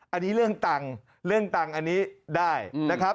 อันนี้เรื่องตังค์เรื่องตังค์อันนี้ได้นะครับ